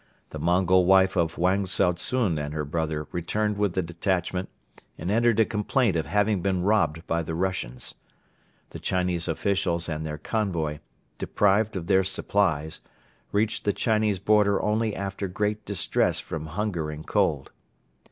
The Mongol wife of Wang Tsao tsun and her brother returned with the detachment and entered a complaint of having been robbed by the Russians. The Chinese officials and their convoy, deprived of their supplies, reached the Chinese border only after great distress from hunger and cold.